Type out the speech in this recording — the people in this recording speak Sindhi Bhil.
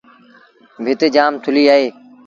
ڀت جآم ٿُليٚ اهي۔